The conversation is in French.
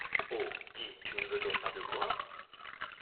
Oh ! dis ! tu ne veux donc pas de moi ?